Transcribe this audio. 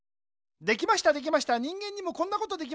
できましたできました人間にもこんなことできました。